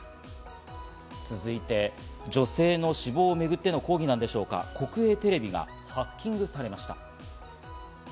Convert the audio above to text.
続いて女性の死亡をめぐっての抗議なんでしょうか、国営テレビがハッキングされました。